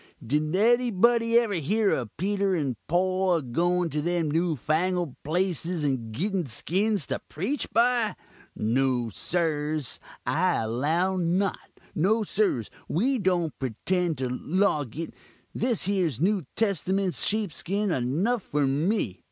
Did anybody ever hear of Peter and Poll a goin' to them new fangled places and gitten skins to preach by? No, sirs, I allow not; no, sirs, we don't pretend to loguk this here new testament's sheepskin enough for me.